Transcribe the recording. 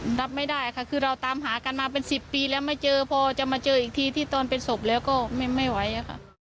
รับไม่ได้ค่ะคือเราตามหากันมาเป็น๑๐ปีแล้วไม่เจอพอจะมาเจออีกทีที่ตอนเป็นศพแล้วก็ไม่ไหวอะค่ะ